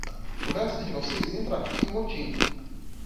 O resto de vocês entra aqui e motim!